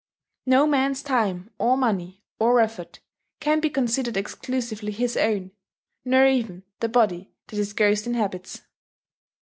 No man's time or money or effort can be considered exclusively his own, nor even the body that his ghost inhabits.